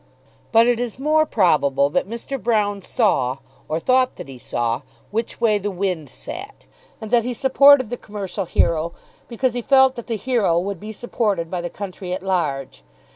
But it is more probable that Mr. Broune saw, or thought that he saw, which way the wind sat, and that he supported the commercial hero because he felt that the hero would be supported by the country at large.